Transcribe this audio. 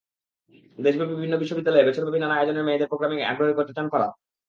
দেশব্যাপী বিভিন্ন বিশ্ববিদ্যালয়ে বছরব্যাপী নানা আয়োজনে মেয়েদের প্রোগ্রামিংয়ে আগ্রহী করতে চান ফারাহ।